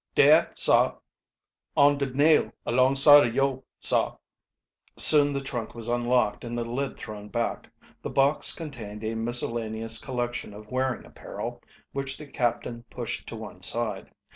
"Dare, sah, on de nail alongside ob yo' sah." Soon the trunk was unlocked and the lid thrown back. The box contained a miscellaneous collection of wearing apparel, which the captain pushed to one side.